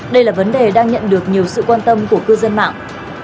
đây là vấn đề đang nhận được nhiều sự quan tâm của cư dân mạng